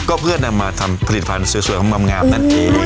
ก็เพื่อนำมาทำผลิตภัณฑ์สวยของความงามนั่นเอง